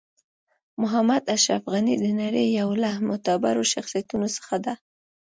محمد اشرف غنی د نړۍ یو له معتبرو شخصیتونو څخه ده .